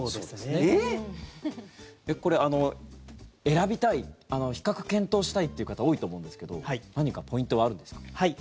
選びたい比較検討したいという方多いと思うんですけど何かポイントはあるんですか？